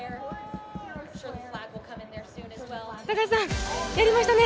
高橋さん、やりましたね。